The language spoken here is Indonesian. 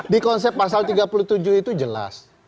di konsep pasal tiga puluh tujuh itu jelas